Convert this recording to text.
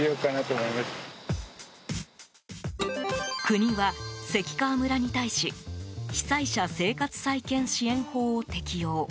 国は、関川村に対し被災者生活再建支援法を適用。